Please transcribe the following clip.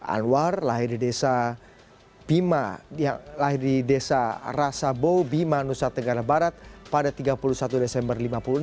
anwar lahir di desa rasabow bima nusa tenggara barat pada tiga puluh satu desember seribu sembilan ratus lima puluh enam